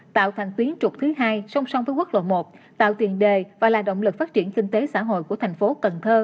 tạo thành tuyến trục thứ hai song song với quốc lộ một tạo tiền đề và là động lực phát triển kinh tế xã hội của thành phố cần thơ